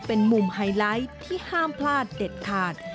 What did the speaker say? เป็นมุมไฮไลท์ที่ห้ามพลาดเด็ดขาด